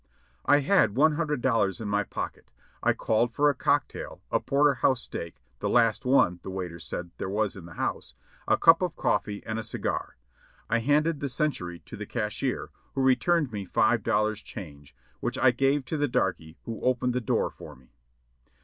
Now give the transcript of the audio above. I had one hundred dollars in my pocket ; I called for a cocktail, a porter house steak, the last one (the waiter said) there was in the house, a cup of coifee and a cigar. I handed the "century" to the cashier, who returned me five dollars change, which I gave to the darky who opened the door for me.